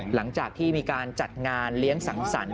หลังจากที่มีการจัดงานเลี้ยงสังสรรค